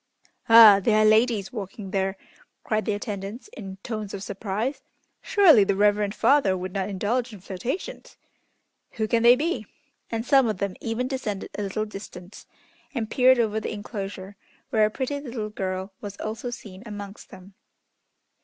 "Ah! there are ladies walking there," cried the attendants in tones of surprise. "Surely, the Reverend Father would not indulge in flirtations! Who can they be?" And some of them even descended a little distance, and peered over the enclosure, where a pretty little girl was also seen amongst them.